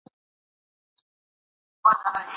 ماشومان شور نه کوي.